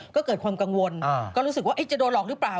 ก็เกิดความกังวลก็รู้สึกว่าจะโดนหลอกหรือเปล่า